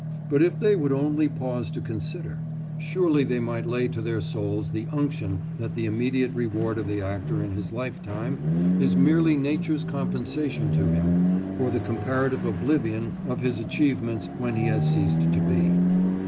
But if they would only pause to consider, surely they might lay to their souls the unction that the immediate reward of the actor in his lifetime is merely nature's compensation to him for the comparative oblivion of his achievements when he has ceased to be.